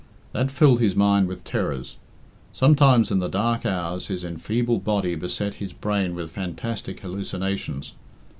That filled his mind with terrors. Sometimes in the dark hours his enfeebled body beset his brain with fantastic hallucinations.